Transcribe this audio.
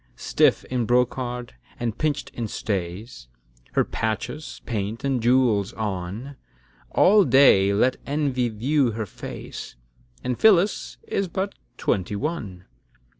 Stiff in brocard, and pinch'd in stays, Her patches, paint, and jewels on; All day let envy view her face; And Phyllis is but twenty one.